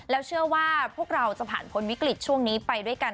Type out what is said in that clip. แล้วเชื่อว่าพวกเราจะผ่านพ้นวิกฤตช่วงนี้ไปด้วยกัน